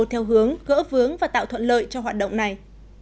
theo hướng gỡ vướng và tạo thuận lợi cho hoạt động này